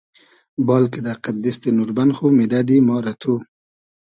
بال کیدۂ قئد دیستی نوربئن خو میدئدی ما رۂ تو